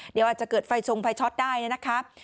เดี๋ยวอาจจะเกิดไฟชงไฟช็อตได้นะครับ